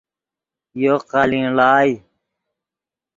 یو قالین ڑائے